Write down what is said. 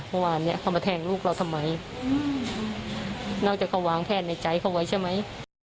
เมื่อวานเนี้ยเขามาแทงลูกเราทำไมนอกจากเขาวางแพทย์ในใจเขาไว้ใช่ไหม